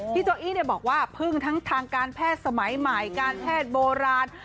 โจอี้บอกว่าพึ่งทั้งทางการแพทย์สมัยใหม่การแพทย์โบราณ